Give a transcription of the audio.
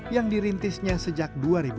yang dirintisnya sejak dua ribu empat belas